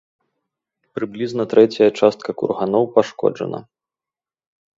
Прыблізна трэцяя частка курганоў пашкоджана.